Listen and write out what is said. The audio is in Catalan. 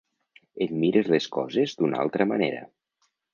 Et mires les coses d’una altra manera.